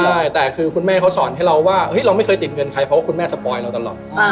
ใช่แต่คือคุณแม่เขาสอนให้เราว่าเราไม่เคยติดเงินใครเพราะว่าคุณแม่สปอยเราตลอด